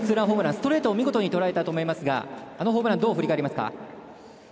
ストレートを見事にとらえたと思いますがあのホームランをどう振り返りますか？